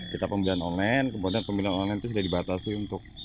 kita pembelian online kemudian pembelian online itu sudah dibatasi untuk